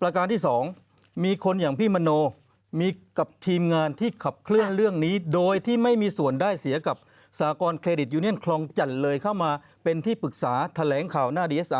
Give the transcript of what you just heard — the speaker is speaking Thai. ประการที่๒มีคนอย่างพี่มโนมีกับทีมงานที่ขับเคลื่อนเรื่องนี้โดยที่ไม่มีส่วนได้เสียกับสากรเครดิตยูเนียนคลองจันทร์เลยเข้ามาเป็นที่ปรึกษาแถลงข่าวหน้าดีเอสไอ